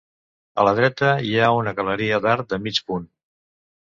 A la dreta hi ha una galeria d'arc de mig punt.